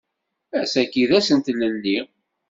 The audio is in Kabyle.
Ass-agi d ass n tlelli